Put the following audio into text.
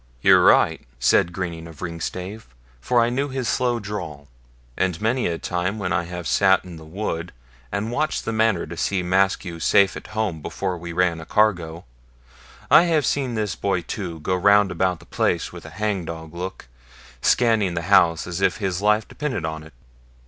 'You're right,' said Greening of Ringstave, for I knew his slow drawl; 'and many a time when I have sat in The Wood, and watched the Manor to see Maskew safe at home before we ran a cargo, I have seen this boy too go round about the place with a hangdog look, scanning the house as if his life depended on't.'